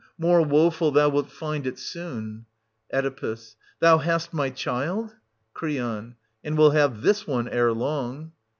More woeful thou wilt find 820 it soon. Oe. Thou hast my child ? Cr. And will have this one ere long.